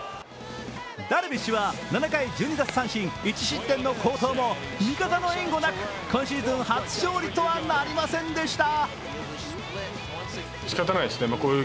ダルビッシュは７回１２奪三振１失点の好投も味方の援護なく、今シーズン初勝利とはなりませんでした。